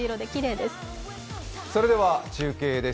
それでは中継です。